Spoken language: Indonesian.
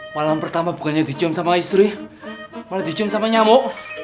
malam pertama bukannya dicium sama istri malah dicium sama nyamuk